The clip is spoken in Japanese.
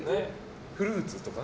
フルーツとか？